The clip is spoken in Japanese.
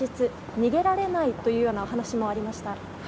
逃げられないというようなお話もありました。